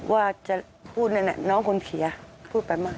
ว่าจะพูดแน่น้องคุณเคลียร์พูดแป๊บมาก